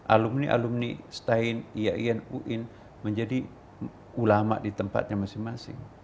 alumni alumni stein iain uin menjadi ulama di tempatnya masing masing